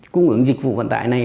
cung ứng dịch vụ vận tải này